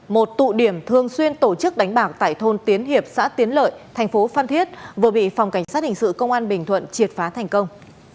một tụ điểm thường xuyên tổ chức đánh bạc tại thôn tiến hiệp xã tiến lợi thành phố phan thiết vừa bị phòng cảnh sát hình sự công an bình thuận triệt phá thành công